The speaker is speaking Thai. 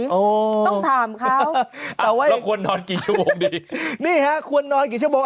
ต้องถามเขาแต่ว่าเราควรนอนกี่ชั่วโมงดีนี่ฮะควรนอนกี่ชั่วโมง